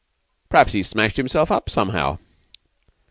"P'raps he's smashed himself up somehow."